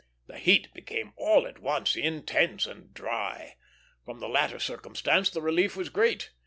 The heat became all at once intense and dry. From the latter circumstance the relief was great.